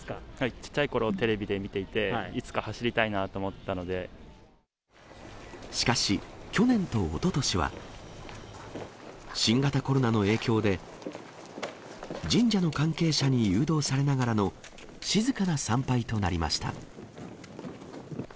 ちっちゃいころテレビで見ていて、しかし、去年とおととしは、新型コロナの影響で、神社の関係者に誘導されながらの静かな参拝となりました。